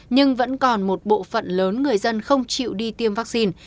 nhưng vẫn còn một bộ phận lớn người dân không chịu đi tiêm vaccine